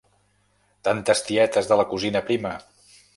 Tantes tietes de la cosina prima!